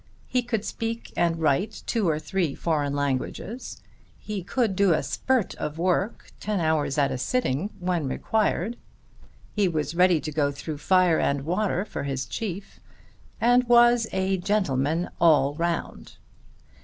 He could speak and write two or three foreign languages; he could do a spurt of work, ten hours at a sitting when required; he was ready to go through fire and water for his chief; and was a gentleman all round.